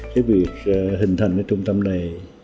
cái việc hình thành cái trung tâm này